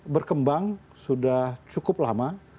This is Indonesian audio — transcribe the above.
berkembang sudah cukup lama